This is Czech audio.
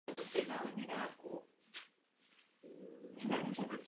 Skončím zde, abych nepřekročil své čtyři minuty.